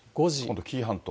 今度、紀伊半島。